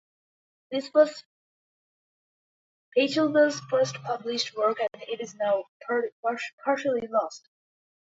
This was Pachelbel's first published work and it is now partially lost.